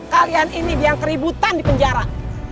kalian ini yang keributan di penjara